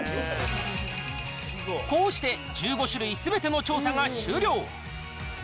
こうして１５種類すべての調査が終了。